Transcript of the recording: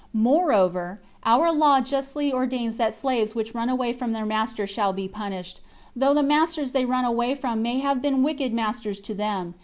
Moreover, our law justly ordains that slaves which run away from their master shall be punished, though the masters they run away from may have been wicked masters to them.